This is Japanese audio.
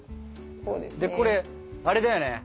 これあれだよね